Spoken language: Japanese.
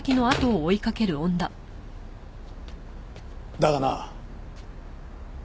だがな。